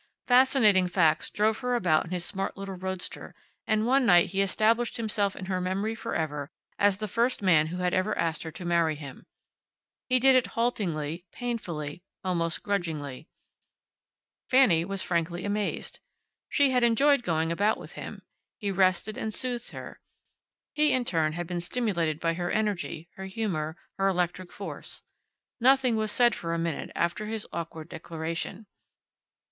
Fascinating Facts drove her about in his smart little roadster and one night he established himself in her memory forever as the first man who had ever asked her to marry him. He did it haltingly, painfully, almost grudgingly. Fanny was frankly amazed. She had enjoyed going about with him. He rested and soothed her. He, in turn, had been stimulated by her energy, her humor, her electric force. Nothing was said for a minute after his awkward declaration.